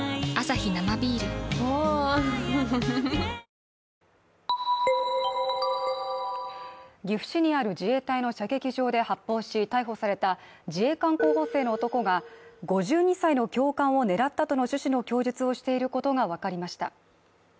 ニトリ岐阜市にある自衛隊の射撃場で発砲し逮捕された自衛官候補生の男が５２歳の教官を狙ったとの趣旨の供述をしていることがわかりました。